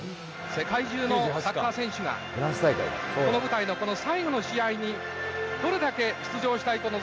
世界中のサッカー選手がこの舞台のこの最後の試合にどれだけ出場したいと望んだことでしょうか。